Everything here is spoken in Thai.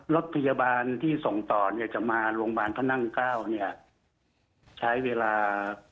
รถพยาบาลที่ส่งต่อเนี่ยจะมาโรงพยาบาลพระนั่งเก้าเนี่ยใช้เวลา